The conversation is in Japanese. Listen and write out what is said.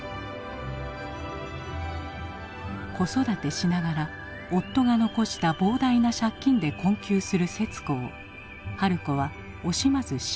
子育てしながら夫が残した膨大な借金で困窮する節子を春子は惜しまず支援した。